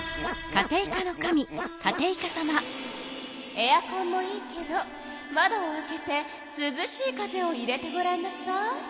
エアコンもいいけど窓を開けてすずしい風を入れてごらんなさい。